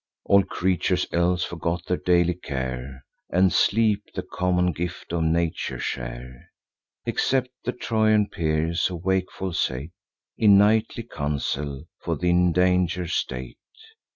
All creatures else forgot their daily care, And sleep, the common gift of nature, share; Except the Trojan peers, who wakeful sate In nightly council for th' indanger'd state.